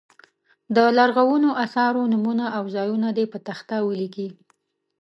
د لرغونو اثارو نومونه او ځایونه دې په تخته ولیکي.